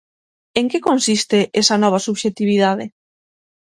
En que consiste esa nova subxectividade?